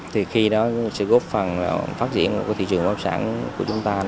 thì khi đó sẽ góp phần phát triển của thị trường bán sản của chúng ta